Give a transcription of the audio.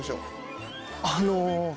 あの。